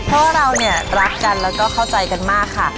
เพราะเรานี่รักกันและข้าวใจกันมากค่ะ